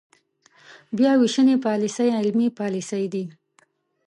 بیا وېشنې پاليسۍ عملي پاليسۍ دي.